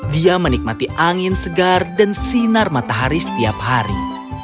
dia menikmati angin segar dan sinar matahari setiap hari